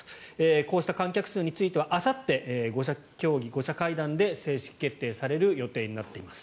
こうした観客数についてはあさって、５者協議で正式決定される予定になっています。